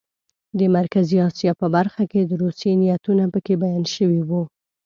د مرکزي اسیا په برخه کې د روسیې نیتونه پکې بیان شوي وو.